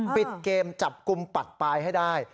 ปิดเกมจับกลุ่มปัดปลายให้ได้